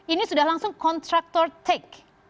ini sudah langsung kontraktor take